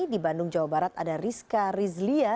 di bandung jawa barat ada rizka rizlia